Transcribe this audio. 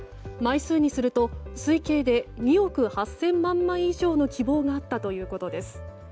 枚数にすると推計で２億８０００万枚以上の希望があったということです。